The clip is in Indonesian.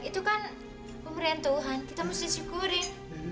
itu kan pemberian tuhan kita mesti syukurin